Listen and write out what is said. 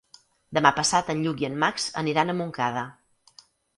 Demà passat en Lluc i en Max aniran a Montcada.